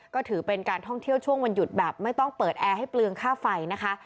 ก็ถือเป็นการท่องเที่ยวช่วงวันหยุดแบบไม่ต้องเปิดแอร์ให้เปลืองค่าไฟนะคะ